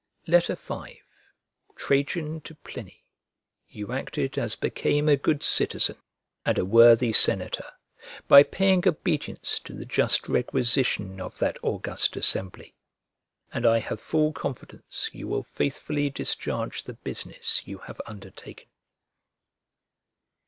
V TRAJAN TO PLINY You acted as became a good citizen and a worthy senator, by paying obedience to the just requisition of that august assembly: and I have full confidence you will faithfully discharge the business you have undertaken.